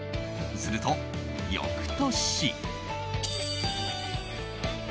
すると翌年。